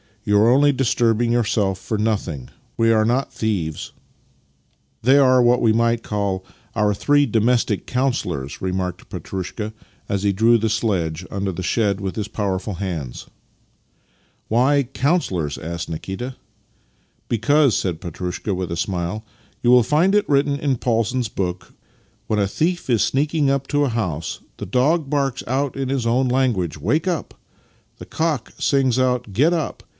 You are only disturbing yourself for nothing. We are not thieves." 24 Master and Man " They are what we might call our three domestic councillors," remarked Petrushka as he drew the sledge under the shed with his powerful hands. " Why * councillors '?" asked Nikita. " Because," said Petrushka, with a smile, " you will find it written in Paulson's book: ' When a thief is sneaking up to a house the dog barks out in his own language — Wake up! the cock sings out — Get up!